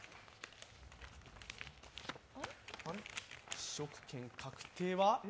試食権確定は？